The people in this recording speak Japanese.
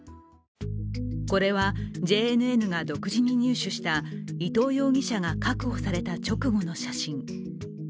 これはＪＮＮが独自に入手した伊藤容疑者が確保された直後の写真。